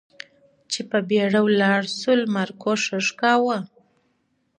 چې په بېړه ولاړ شو، لمر کوښښ کاوه.